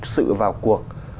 sự vào cuộc